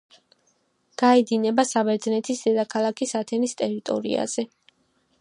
გაედინება საბერძნეთის დედაქალაქის ათენის ტერიტორიაზე.